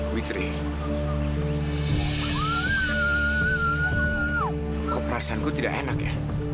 witri kau perasaanku tidak enak ya